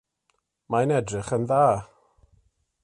Mae'n edrych yn dda.